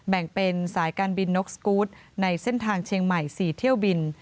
แบ่งเป็นสายการบินนกสกูธในเส้นทางเชียงใหม่๔เที่ยวบิน